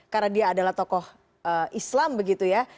karena dia adalah tokoh islam begitu ya